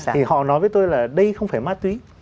thì họ nói với tôi là đây không phải ma túy